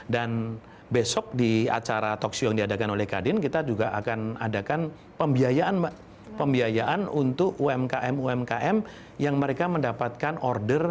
dan besok di acara talkshow yang diadakan oleh kadin kita juga akan adakan pembiayaan untuk umkm umkm yang mereka mendapatkan order